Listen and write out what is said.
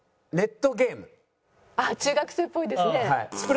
あっ中学生っぽいですね。